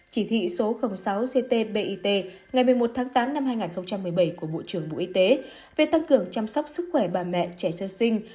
chỉ thị số sáu ctbit ngày một mươi một tháng tám năm hai nghìn một mươi bảy của bộ trưởng bộ y tế về tăng cường chăm sóc sức khỏe bà mẹ trẻ sơ sinh